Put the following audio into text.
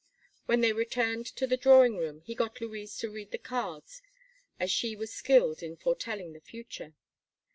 When they returned to the drawing room, he got Louise to read the cards, as she was skilled in foretelling the future.